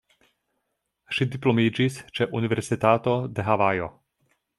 Ŝi diplomiĝis ĉe Universitato de Havajo.